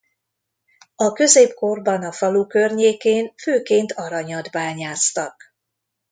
A középkorban a falu környékén főként aranyat bányásztak.